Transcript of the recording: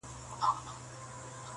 ګواکي ټول دي د مرګي خولې ته سپارلي-